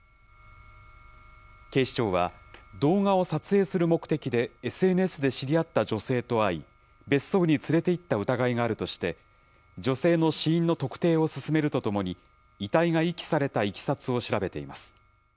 警視庁は、動画を撮影する目的でＳＮＳで知り合った女性と会い、別荘に連れていった疑いがあるとして、女性の死因の特定を進めるとともに、遺体が遺棄されたいきさつを調べています。